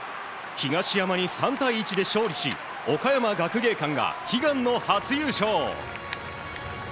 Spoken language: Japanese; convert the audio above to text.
東山に３対１で勝利し岡山学芸館が悲願の初優勝。